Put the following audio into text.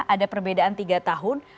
ada perbedaan tiga tahun